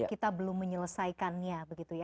kita belum menyelesaikannya